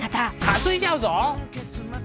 担いじゃうぞ？